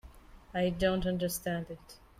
I don't understand it.